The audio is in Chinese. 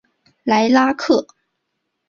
莱拉克。